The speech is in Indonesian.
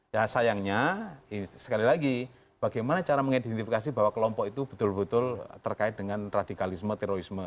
ya sayangnya sekali lagi bagaimana cara mengidentifikasi bahwa kelompok itu betul betul terkait dengan radikalisme terorisme